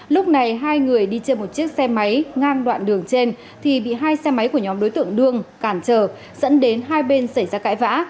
lúc này hai người đi trên một chiếc xe máy ngang đoạn đường trên thì bị hai xe máy của nhóm đối tượng đương cản trở dẫn đến hai bên xảy ra cãi vã